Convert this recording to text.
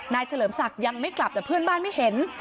เฉลิมศักดิ์ยังไม่กลับแต่เพื่อนบ้านไม่เห็น